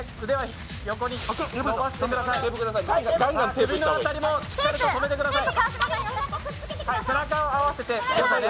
首の辺りもしっかりと止めてください。